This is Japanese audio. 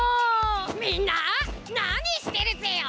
みんななにしてるぜよ？